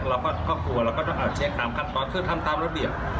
เราก็กลัวเราก็ต้องเช็คตามขั้นตอนคือทำตามระเบียบ